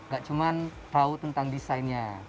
gak cuman tahu tentang desainnya